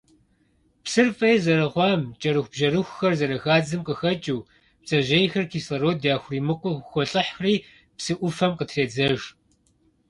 Псыр фӀей зэрыхъуам, кӀэрыхубжьэрыхухэр зэрыхадзэм къыхэкӀыу, бдзэжьейхэм кислород яхуримыкъуу холӀыхьри, псы Ӏуфэм къытредзэж.